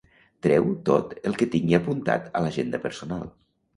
Treu tot el que tingui apuntat a l'agenda personal.